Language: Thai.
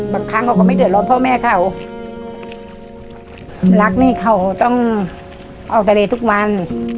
บางครั้งเขาก็ไม่เดือดร้อนพ่อแม่เขารักนี่เขาต้องออกทะเลทุกวัน